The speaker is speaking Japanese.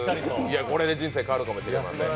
これで人生変わるかもしれません。